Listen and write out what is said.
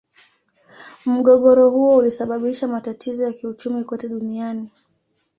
Mgogoro huo ulisababisha matatizo ya kiuchumi kote duniani.